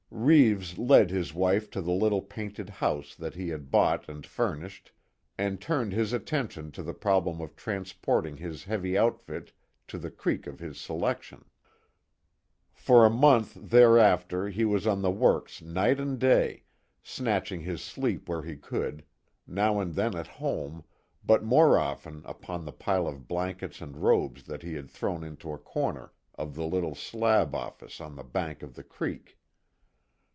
Reeves led his wife to the little painted house that he had bought and furnished, and turned his attention to the problem of transporting his heavy outfit to the creek of his selection. For a month thereafter he was on the works night and day, snatching his sleep where he could, now and then at home, but more often upon the pile of blankets and robes that he had thrown into a corner of the little slab office on the bank of the creek.